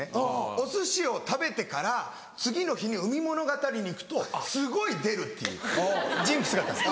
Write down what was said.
お寿司を食べてから次の日に海物語に行くとすごい出るっていうジンクスがあったんです。